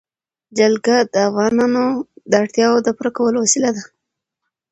جلګه د افغانانو د اړتیاوو د پوره کولو وسیله ده.